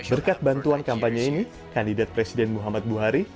berkat bantuan kampanye ini kandidat presiden muhammad buhari